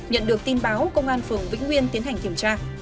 nhận được tin báo công an phường vĩnh nguyên tiến hành kiểm tra